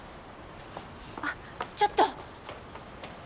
あっちょっと！